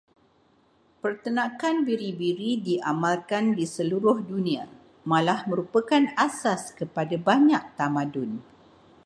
Penternakan biri-biri diamalkan di seluruh dunia, malah merupakan asas kepada banyak tamadun.